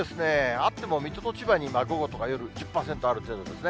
あっても水戸と千葉に午後とか夜、１０％ある程度ですね。